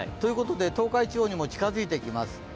東海地方にも近づいてきます。